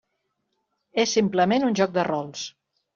És, simplement, un joc de rols.